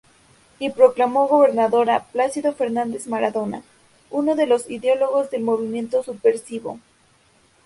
Y proclamó gobernador a Plácido Fernández Maradona, uno de los ideólogos del movimiento subversivo.